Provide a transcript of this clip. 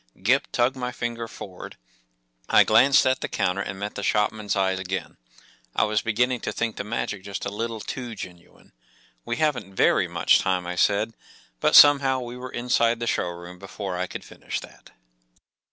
Gip tugged my finger forward, I glanced at the counter and met the shopmans eye again, I was beginning to think the magic just a little too genuine. “ We haven't wry much time," I said. But somehow we were inside the show room before I could finish that.